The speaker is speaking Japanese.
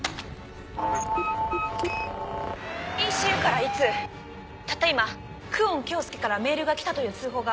ＥＣＵからＥ２たった今久遠京介からメールが来たという通報が。